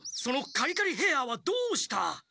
カリカリヘアーはどうした？